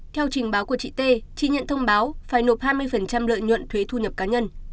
theo trình báo của chị t chị nhận thông báo phải nộp hai mươi lợi nhuận thuế thu nhập cá nhân